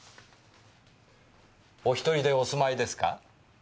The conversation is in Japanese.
お１人でお住まいですか？